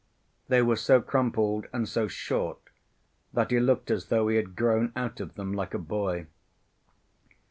They were so crumpled and so short that he looked as though he had grown out of them like a boy.